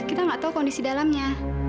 kita nggak tahu kondisi dalamnya